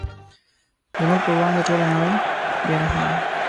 زموږ په وړاندې ټوله نړۍ بې رحمه ده.